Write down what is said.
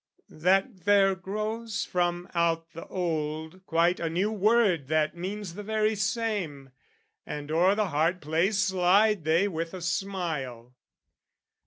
that there grows from out the old "Quite a new word that means the very same "And o'er the hard place slide they with a smile.